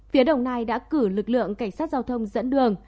phía đồng nai đã cử lực lượng cảnh sát giao thông dẫn đường